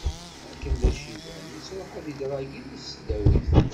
Akken d aciban, yettruḥ ad idṛagi deg tesdawit.